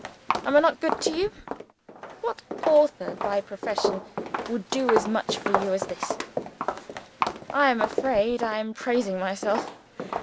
Am I not good to you? What author by profession would do as much for you as this? I am afraid I am praising myself!